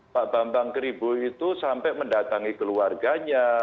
pak bambang kribo itu sampai mendatangi keluarganya